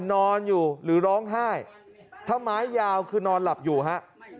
นอนอยู่หรือร้องไห้ถ้าไม้ยาวคือนอนหลับอยู่ฮะ